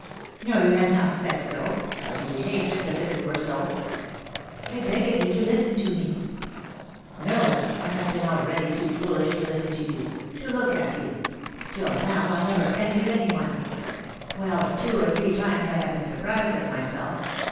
"No, you have not said so; but you behave just as if it were so." "I beg of you to listen to me." "No, I have been already too foolish to listen to you to look at you. Till now, I never envied any one. Well, two or three times I have been surprised at myself.